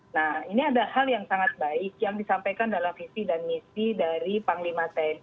nah ini ada hal yang sangat baik yang disampaikan dalam visi dan misi dari panglima tni